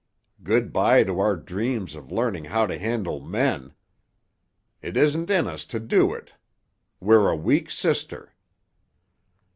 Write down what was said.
Good bye to our dreams of learning how to handle men! It isn't in us to do it; we're a weak sister."